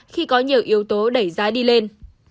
khi có nhiều yếu tố đẩy giá đi lên